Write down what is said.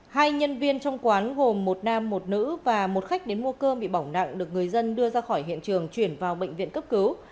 hai nhân viên trong quán gồm một nam một nữ và một khách đến mua cơm bị bỏng nặng được người dân đưa ra khỏi hiện trường chuyển vào bệnh viện cấp cứu